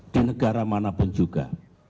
di negara manapun juga